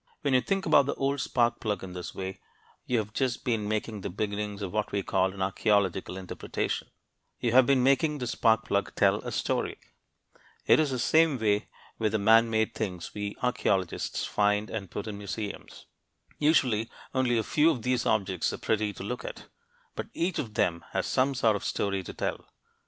When you think about the old spark plug in this way you have just been making the beginnings of what we call an archeological interpretation; you have been making the spark plug tell a story. It is the same way with the man made things we archeologists find and put in museums. Usually, only a few of these objects are pretty to look at; but each of them has some sort of story to tell.